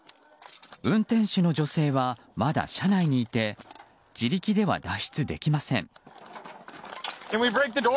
運転手の女性は、まだ車内にいて自力では脱出できません。